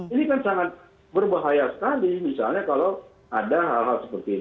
ini kan sangat berbahaya sekali misalnya kalau ada hal hal seperti ini